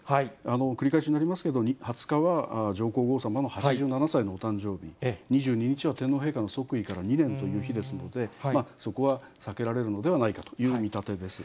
繰り返しになりますけど、２０日は上皇后さまの８７歳のお誕生日、２２日は天皇陛下の即位から２年という日ですので、そこは避けられるのではないかという見立てです。